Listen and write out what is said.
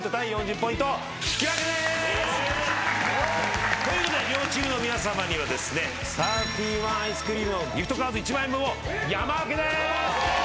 引き分けです！ということで両チームの皆さまにはですねサーティワンアイスクリームのギフトカード１万円分を山分けです！